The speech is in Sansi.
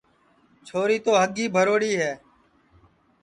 چھوری تو ہگی بھروڑی ہے